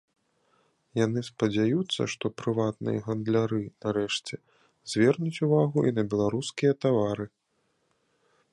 Яны спадзяюцца, што прыватныя гандляры, нарэшце, звернуць увагу і на беларускія тавары.